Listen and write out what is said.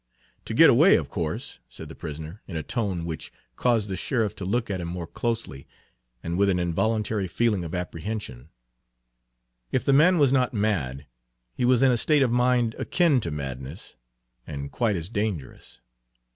"To get away, of course," said the prisoner, in a tone which caused the sheriff to look at him more closely, and with an involuntary feeling of apprehension; if the man was not mad, he was in a state of mind akin to madness, and quite as dangerous.